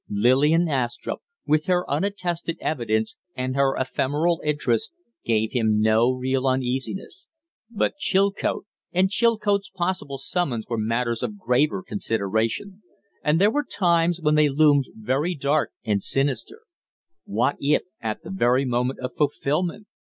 Lillian Astrupp, with her unattested evidence and her ephemeral interest, gave him no real uneasiness; but Chilcote and Chilcote's possible summons were matters of graver consideration; and there were times when they loomed very dark and sinister: What if at the very moment of fulfilment